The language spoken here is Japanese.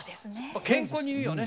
健康にいいよね。